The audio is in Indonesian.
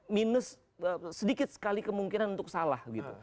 minus sedikit sekali kemungkinan untuk salah